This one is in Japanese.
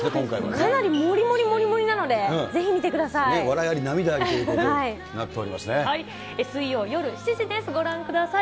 かなりもりもりもりもりだくさんなので、ぜひ見てください。